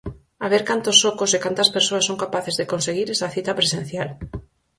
A ver cantos ocos e cantas persoas son capaces de conseguir esa cita presencial.